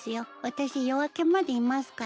私夜明けまでいますから。